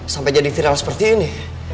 sampai jadi viral seperti ini